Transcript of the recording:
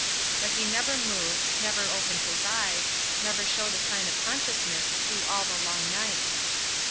But he never moved, never opened his eyes, never showed a sign of consciousness through all the long night.